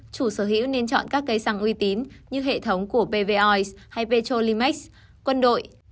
chủ sở hữu nên chọn các cây xăng uy tín như hệ thống của pvois hay petrolimex quân đội